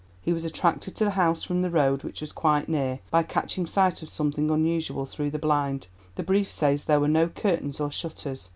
He was attracted to the house from the road, which was quite near, by catching sight of something unusual through the blind; the brief says there were no curtains or shutters.